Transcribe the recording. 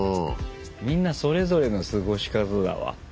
みんなそれぞれの過ごし方だわ。